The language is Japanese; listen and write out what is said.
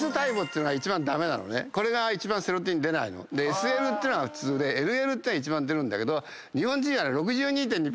ＳＬっていうのが普通でＬＬってのが一番出るんだけど。